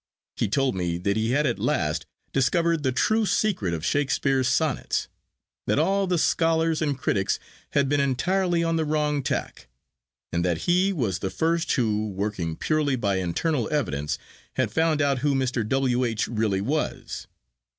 He told me that he had at last discovered the true secret of Shakespeare's Sonnets; that all the scholars and critics had been entirely on the wrong tack; and that he was the first who, working purely by internal evidence, had found out who Mr. W. H. really was.